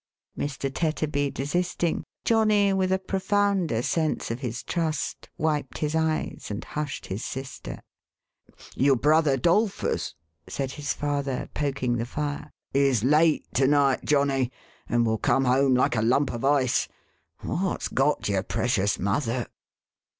Mr. Tetterby desisting, Johnny, with a profounder sense of his trust, wiped his eyes, and hushed his sister. " Your brother 'Dolphus," said his father, poking the fire, " is late to night, Johnny, and will come home like a lump of ice. What's got your precious mother